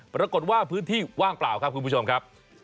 ปรากฏว่าพื้นที่ว่างเปล่าครับคุณผู้ชมครับ